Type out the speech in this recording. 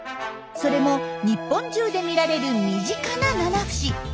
それも日本中で見られる身近なナナフシ。